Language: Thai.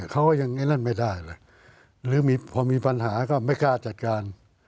เขาก็ยังไอ้นั่นไม่ได้ล่ะหรือพอมีปัญหาก็ไม่กล้าจัดการ